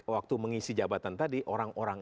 waktu mengisi jabatan tadi orang orang